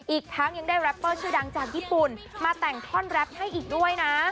อีกทั้งยังได้แรปเปอร์ชื่อดังจากญี่ปุ่นมาแต่งท่อนแรปให้อีกด้วยนะ